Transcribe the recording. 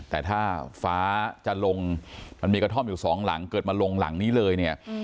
แต่ถ้าฟ้าจะลงมันมีกระท่อมอยู่สองหลังเกิดมาลงหลังนี้เลยเนี่ย